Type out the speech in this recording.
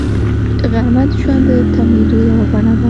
غرمه د ژوند د تمېدو یوه بڼه ده